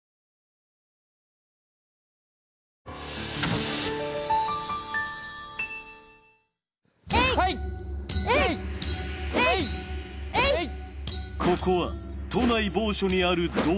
ここは都内某所にある道場。